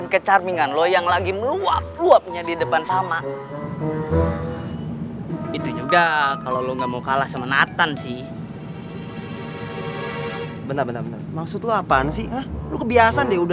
padahal dinda disih beautiful